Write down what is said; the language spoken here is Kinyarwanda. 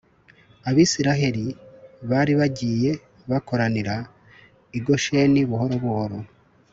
abisiraheli bari bagiye bakorarira i gosheni buhoro buhoro.